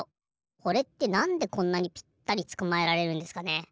これってなんでこんなにぴったりつかまえられるんですかね？